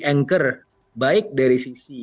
anchor baik dari sisi